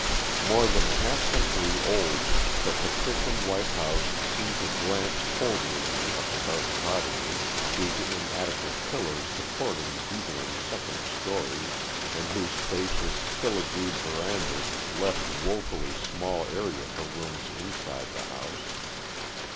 More than a half century old, the patrician white house seemed to glance coldly on the upstart cottages, whose inadequate pillars supported beetling second stories, and whose spacious, filigreed verandas left wofully small area for rooms inside the house.